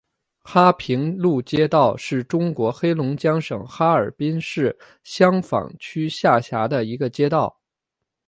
哈平路街道是中国黑龙江省哈尔滨市香坊区下辖的一个街道。